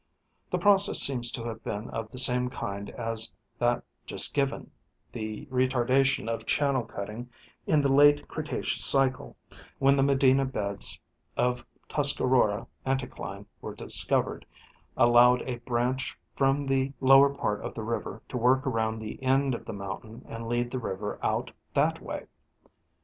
The process seems to have been of the same kind as that just given ; the retardation of channel cutting in the late Cretaceous cycle, when the Medina beds of Tuscarora anticline were discovered, allowed a branch from the lower part of the river to work around the end of the mountain and lead the river out that way.